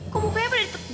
kok bukanya pada di